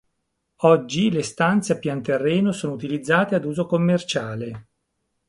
Oggi le stanze a pian terreno sono utilizzate ad uso commerciale.